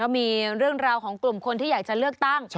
มีเรื่องราวของกลุ่มคนที่อยากจะเลือกตั้ง